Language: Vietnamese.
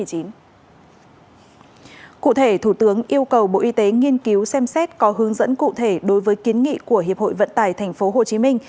cụ thể thủ tướng yêu cầu bộ y tế nghiên cứu xem xét có hướng dẫn cụ thể đối với kiến nghị của hiệp hội vận tải tp hcm